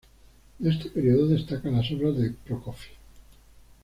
De este período destacan las obras de Prokofiev.